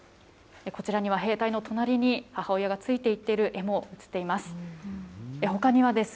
こちらには、兵隊の隣に母親がついていっている絵もうつっています。